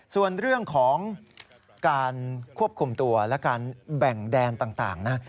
ส่วนเรื่องของการควบคุมตัวและการแบ่งแดนต่างนะ